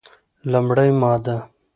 لومړې ماده: